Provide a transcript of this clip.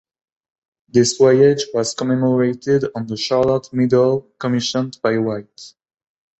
This voyage was commemorated on the Charlotte Medal, commissioned by White.